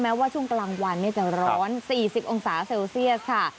ว่าช่วงกลางวันจะร้อน๔๐องศาเซลเซียสค่ะ